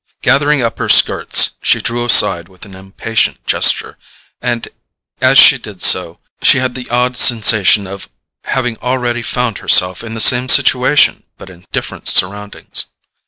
Gathering up her skirts, she drew aside with an impatient gesture; and as she did so she had the odd sensation of having already found herself in the same situation but in different surroundings.